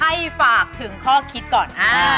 ให้ฝากถึงข้อคิดก่อน